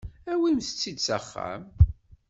Awimt-tt-id s axxam.